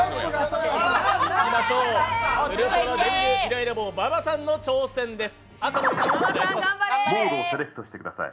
いきましょう、ウルトラ電流イライラ棒馬場さんの挑戦です。